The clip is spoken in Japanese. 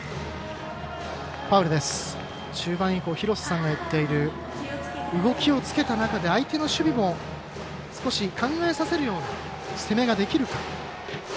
中盤以降廣瀬さんが言っている動きをつけた中で相手の守備も少し考えさせるような攻めができるか。